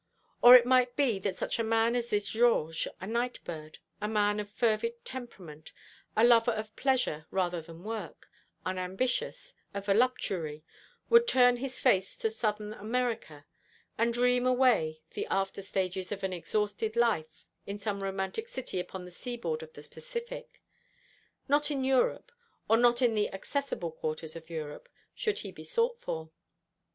Or it might be that such a man as this Georges a night bird, a man of fervid temperament, a lover of pleasure rather than work, unambitious, a voluptuary would turn his face to Southern America, and dream away the after stages of an exhausted life in some romantic city upon the Seaboard of the Pacific. Not in Europe or not in the accessible quarters of Europe should he be sought for.